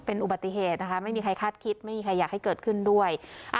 เป็นอุบัติเหตุนะคะไม่มีใครคาดคิดไม่มีใครอยากให้เกิดขึ้นด้วย